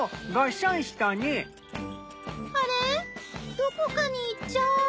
どこかに行っちゃう。